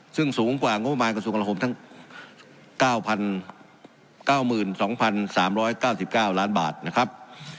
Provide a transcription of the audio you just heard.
ซึ่งสูงกว่างบประมาณกระทรวงการหลาฮมทั้งเก้าพันเก้าหมื่นสองพันสามร้อยเก้าสิบเก้าล้านบาทนะครับ